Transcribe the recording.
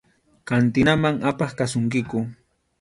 Kantinaman apaq kasunkiku.